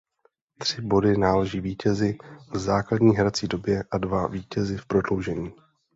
Tři body náleží vítězi v základní hrací době a dva vítězi v prodloužení.